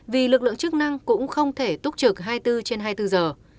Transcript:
vì lực lượng chức năng cũng không thể túc trực hai mươi bốn trên hai mươi bốn giờ